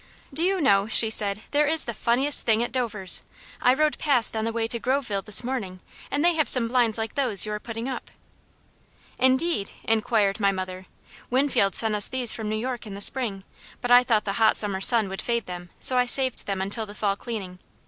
"Do you know," she said, "there is the funniest thing at Dovers'. I rode past on the way to Groveville this morning and they have some blinds like those you are putting up." "Indeed?" inquired my mother. "Winfield sent us these from New York in the spring, but I thought the hot summer sun would fade them, so I saved them until the fall cleaning.